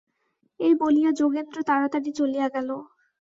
এই বলিয়া যোগেন্দ্র তাড়াতাড়ি চলিয়া গেল।